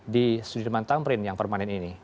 di sudirman tamrin yang permanen ini